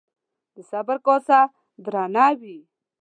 د صبر کاسه درانه وي